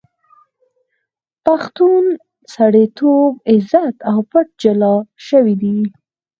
پښتون سړیتوب، عزت او پت جلا شوی دی.